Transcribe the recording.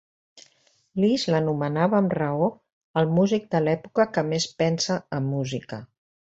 Liszt l'anomenava amb raó el músic de l'època que més pensa en música.